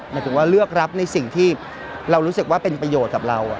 หมายถึงว่าเลือกรับในสิ่งที่เรารู้สึกว่าเป็นประโยชน์กับเรา